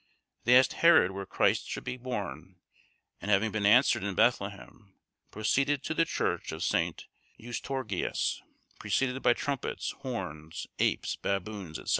They asked Herod where Christ should be born, and having been answered in Bethlehem, proceeded to the church of St. Eustorgius, preceded by trumpets, horns, apes, baboons, &c.